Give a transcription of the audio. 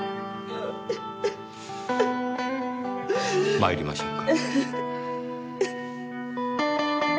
参りましょうか。